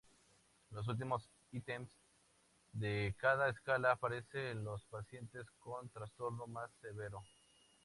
Los últimos ítems de cada escala aparecen en los pacientes con trastornos más severos.